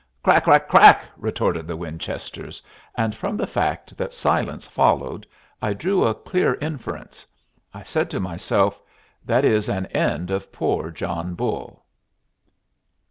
"Crack! crack! crack!" retorted the Winchesters, and from the fact that silence followed I drew a clear inference. I said to myself, "That is an end of poor John Bull."